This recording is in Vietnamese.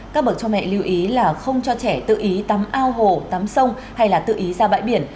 các bậc cha mẹ lưu ý là không cho trẻ tự ý tắm ao hồ tắm sông hay là tự ý ra bãi biển